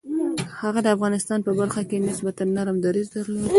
هغه د افغانستان په برخه کې نسبتاً نرم دریځ درلود.